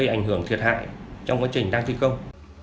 ảnh hưởng thiệt hại trong quá trình đang thi công